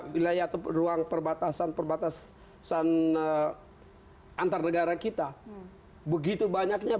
wilayah atau ruang perbatasan perbatasan antar negara kita begitu banyaknya